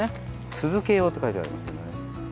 酢漬用って書いてありますけどね。